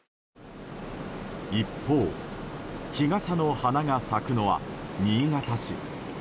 一方、日傘の花が咲くのは新潟市。